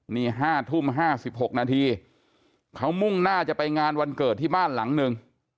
นี่๕ทุ่ม๕๖นาทีเขามุ่งหน้าจะไปงานวันเกิดที่บ้านหลังหนึ่ง